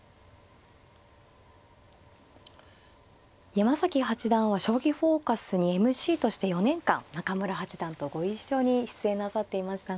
山崎八段は「将棋フォーカス」にＭＣとして４年間中村八段とご一緒に出演なさっていましたが。